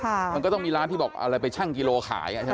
มันก็ต้องมีร้านที่บอกเอาอะไรไปชั่งกิโลขายอ่ะใช่ไหม